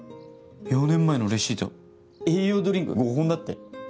４年前のレシート栄養ドリンク５本だって。